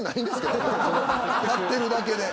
買ってるだけで。